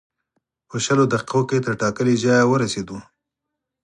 په شلو دقیقو کې تر ټاکلي ځایه ورسېدو.